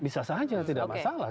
bisa saja tidak masalah